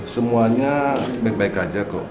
semuanya baik baik aja kok